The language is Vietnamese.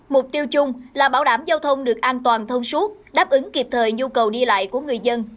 mục tiêu chung là bảo đảm giao thông được an toàn thông suốt đáp ứng kịp thời nhu cầu đi lại của người dân